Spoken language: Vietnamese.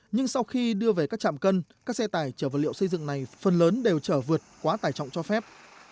nhưng sau khi đưa về các trạm cân các xe tải chở vật liệu xây dựng này phần lớn đều chở vượt quá tải trọng cho phép